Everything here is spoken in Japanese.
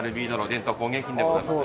伝統工芸品でございます。